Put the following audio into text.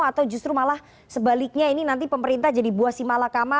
atau justru malah sebaliknya ini nanti pemerintah jadi buah si malakama